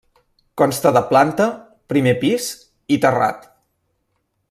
Consta de planta, primer pis i terrat.